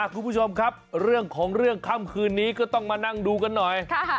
คุณผู้ชมครับเรื่องของเรื่องค่ำคืนนี้ก็ต้องมานั่งดูกันหน่อย